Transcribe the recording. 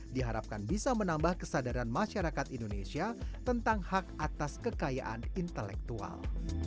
diharapkan bisa menambah kesadaran masyarakat indonesia tentang hak atas kekayaan intelektual